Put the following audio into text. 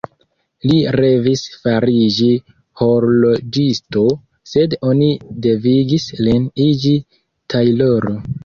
Li revis fariĝi horloĝisto, sed oni devigis lin iĝi tajloro.